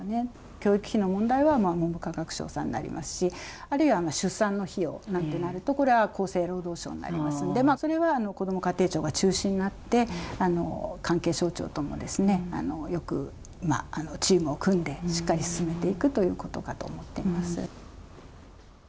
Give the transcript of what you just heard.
教育費の問題は文部科学省さんになりますし、あるいは出産の費用なんてなると、これは厚生労働省になりますので、それはこども家庭庁が中心になって、関係省庁ともよくチームを組んで、しっかり進めていくということかと思っています。